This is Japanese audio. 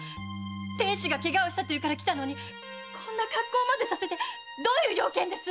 亭主が怪我をしたというから来たのにこんな格好までさせてどういう了見です